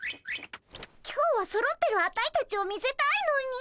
今日はそろってるアタイたちを見せたいのに。